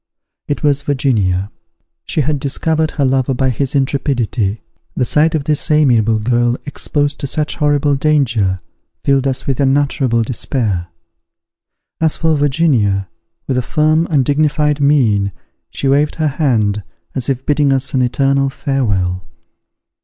It was Virginia. She had discovered her lover by his intrepidity. The sight of this amiable girl, exposed to such horrible danger, filled us with unutterable despair. As for Virginia, with a firm and dignified mien, she waved her hand, as if bidding us an eternal farewell.